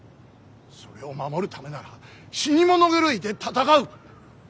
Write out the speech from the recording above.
それを守るためなら死に物狂いで戦う。